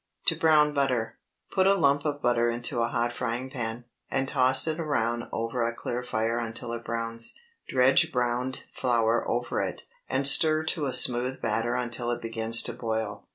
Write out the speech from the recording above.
TO BROWN BUTTER. Put a lump of butter into a hot frying pan, and toss it around over a clear fire until it browns. Dredge browned flour over it, and stir to a smooth batter until it begins to boil.